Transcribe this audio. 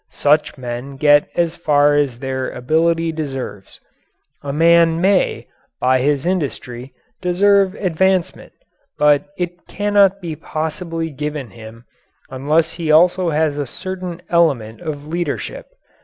Such men get as far as their ability deserves. A man may, by his industry, deserve advancement, but it cannot be possibly given him unless he also has a certain element of leadership.